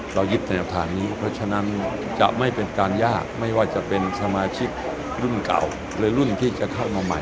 เรายึดในหลักฐานนี้เพราะฉะนั้นจะไม่เป็นการยากไม่ว่าจะเป็นสมาชิกรุ่นเก่าหรือรุ่นที่จะเข้ามาใหม่